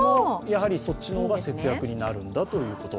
やはりそっちの方が節約になるんだということ。